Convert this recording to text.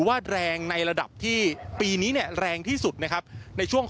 ว่าแรงในระดับที่ปีนี้เนี่ยแรงที่สุดนะครับในช่วง